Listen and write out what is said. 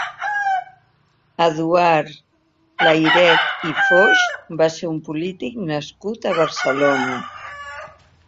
Eduard Layret i Foix va ser un polític nascut a Barcelona.